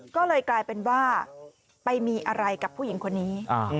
ก็เลยกลายเป็นว่าไปมีอะไรกับผู้หญิงคนนี้